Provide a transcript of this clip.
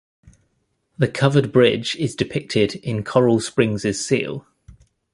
The Covered Bridge is depicted in Coral Springs' seal.